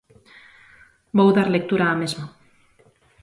Vou dar lectura á mesma.